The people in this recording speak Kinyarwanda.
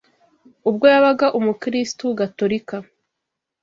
ubwo yabaga umukristu gatolika